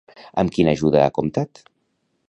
Amb quina ajuda ha comptat?